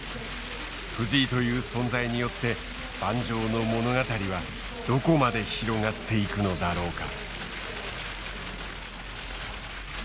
藤井という存在によって盤上の物語はどこまで広がっていくのだろうか。